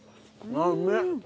あっうめっ！